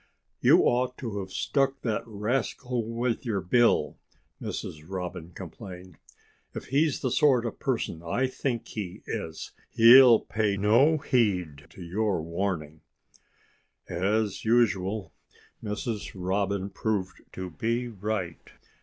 "You ought to have stuck that rascal with your bill," Mrs. Robin complained. "If he's the sort of person I think he is he'll pay no heed to your warning." As usual, Mrs. Robin proved to be right.